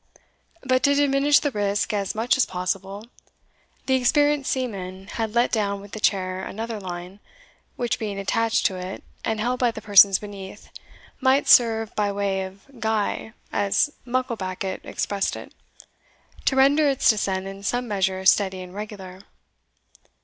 But to diminish the risk as much as possible, the experienced seaman had let down with the chair another line, which, being attached to it, and held by the persons beneath, might serve by way of gy, as Mucklebackit expressed it, to render its descent in some measure steady and regular.